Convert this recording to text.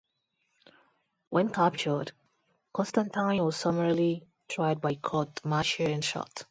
When captured, Constantine was summarily tried by court martial and shot.